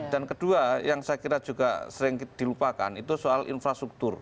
dan kedua yang saya kira juga sering dilupakan itu soal infrastruktur